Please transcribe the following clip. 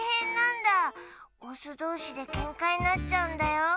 オスどうしでケンカになっちゃうんだよ。